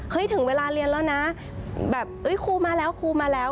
ถึงเวลาเรียนแล้วนะแบบครูมาแล้วครูมาแล้ว